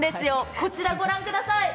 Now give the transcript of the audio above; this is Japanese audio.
こちら御覧ください。